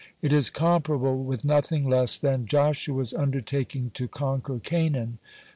It is comparable with nothing less than Joshua's undertaking to conquer Canaan.